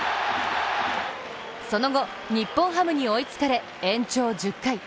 その後、日本ハムに追いつかれ延長１０回。